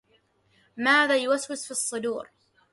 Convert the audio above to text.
ماذا يوسوس في الصدور